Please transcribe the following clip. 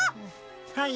はい。